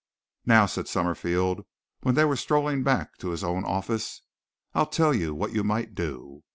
"Now," said Summerfield, when they were strolling back to his own office. "I'll tell you what you might do.